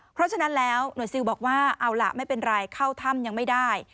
เพราะฉะนั้นแล้วหน่วยซิลบอกว่าเอาล่ะไม่เป็นไรเข้าถ้ำยังไม่ได้